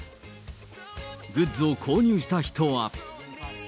グッズを購入した人は。